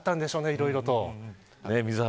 いろいろと。